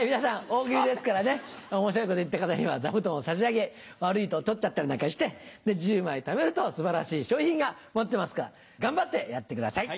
大喜利ですからね面白いこと言った方には座布団を差し上げ悪いと取っちゃったりなんかして１０枚ためると素晴らしい賞品が待ってますから頑張ってやってください。